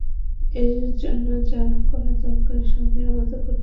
এর জন্য যা করা দরকার সবই আমাদের করতে হবে।